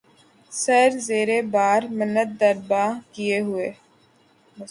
سر زیرِ بارِ منت درباں کیے ہوئے